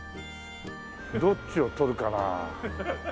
どっちを取るかな。